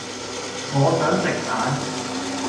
我想食蛋